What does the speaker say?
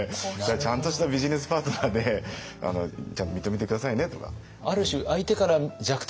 「ちゃんとしたビジネスパートナーでちゃんと認めて下さいね」とか。